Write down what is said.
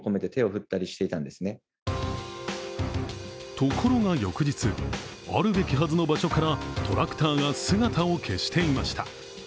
ところが翌日、あるべきはずの場所からトラクターが姿を消していました。